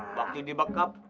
itu waktu dibekap